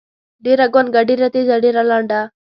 ډېــره ګونګــــــه، ډېــره تېــزه، ډېــره لنډه.